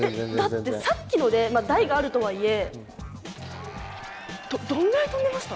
だってさっきので台があるとはいえどんぐらい飛んでました？